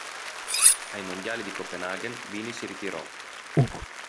Ai mondiali di Copenaghen, Bini si ritirò.